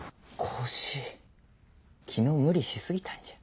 腰昨日無理し過ぎたんじゃ。